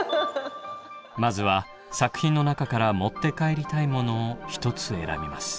まずは作品の中から持って帰りたいものを１つ選びます。